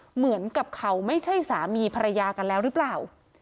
เหมือนกับเขาไม่ใช่สามีภรรยากันแล้วหรือเปล่า